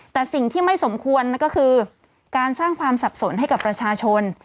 แต่สิ่งที่ไม่สมควรก็คือการสร้างความสับสนให้กับประชาชน